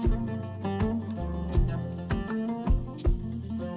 selain karena beberapa venir yang terdengar